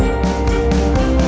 ở những tầm ba năm